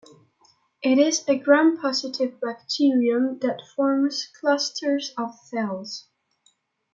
It is a Gram-positive bacterium that forms clusters of cells.